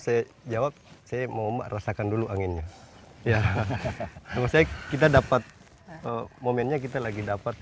saya jawab saya mau merasakan dulu anginnya ya selesai kita dapat momennya kita lagi dapat